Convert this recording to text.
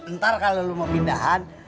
ntar kalau lo mau pindahan